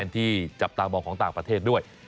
ที่จับตามองของต่างประเทศด้วย